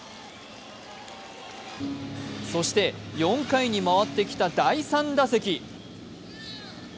そして４回に回ってきた第３打席。